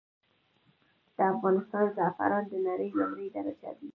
د افغانستان زعفران د نړې لمړی درجه دي.